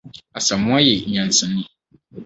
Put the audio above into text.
Asamoah ye nyansa ni